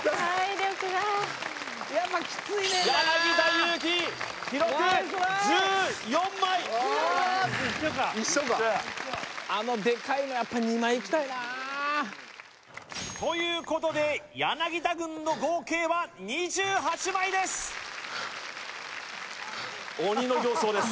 柳田悠岐記録１４枚一緒か一緒やあのデカいのやっぱということで柳田軍の合計は２８枚です鬼の形相です